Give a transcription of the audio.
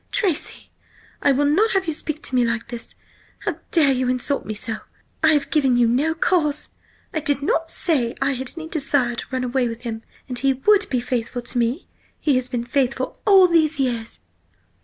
"Tracy, I will not have you speak to me like this! How dare you insult me so? I have given you no cause! I did not say I had any desire to run away with him–and he would be faithful to me! He has been faithful all these years!"